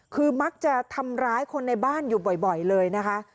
คือมักจะทำร้ายคนในบ้านอยู่บ่อยเลยนะคะ